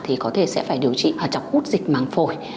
thì có thể sẽ phải điều trị trọng hút dịch màng phổi